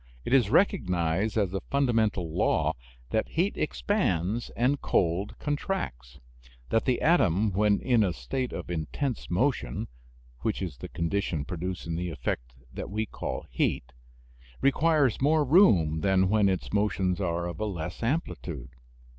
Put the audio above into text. It is recognized as a fundamental law that heat expands and cold contracts; that the atom when in a state of intense motion (which is the condition producing the effect that we call "heat") requires more room than when its motions are of a less amplitude.